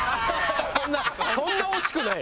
そんな惜しくない。